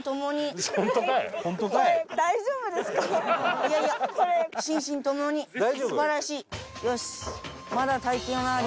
いやいや心身共に素晴らしい。